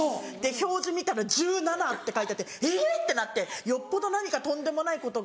表示見たら１７って書いてあって「えぇ！」ってなってよっぽど何かとんでもないことが。